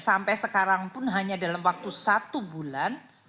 sampai sekarang pun hanya dalam waktu satu bulan